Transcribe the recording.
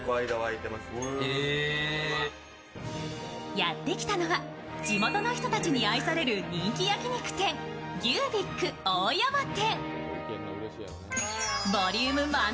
やってきたのは地元の人たちに愛される人気焼き肉店、ギュービッグ大山店。